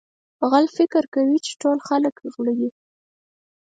غل فکر کوي چې ټول خلک غله دي.